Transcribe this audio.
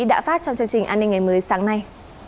đã phát trong chương trình an ninh ngày mới sáng nay